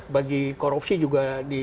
bagi korupsi juga di